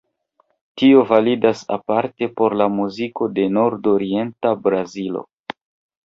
Tio validas aparte por la muziko de nordorienta Brazilo.